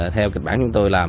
theo kịch bản chúng tôi làm